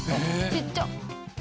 ちっちゃ。